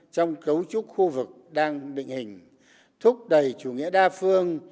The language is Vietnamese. trong cấu trúc khu vực đang định hình thúc đẩy chủ nghĩa đa phương